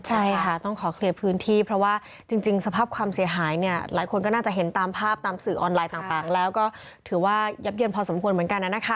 ใช่ค่ะต้องขอเคลียร์พื้นที่เพราะว่าจริงสภาพความเสียหายเนี่ยหลายคนก็น่าจะเห็นตามภาพตามสื่อออนไลน์ต่างแล้วก็ถือว่ายับเยินพอสมควรเหมือนกันนะคะ